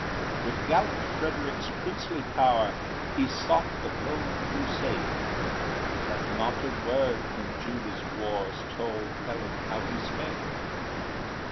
With gallant Frederick's princely power He sought the bold crusade; But not a word from Judah's wars Told Helen how he sped.